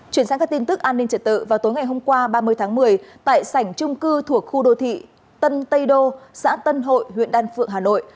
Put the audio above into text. chuyển sang các tin tức an ninh trật tự vào tối ngày hôm qua ba mươi tháng một mươi tại sảnh trung cư thuộc khu đô thị tân tây đô xã tân hội huyện đan phượng hà nội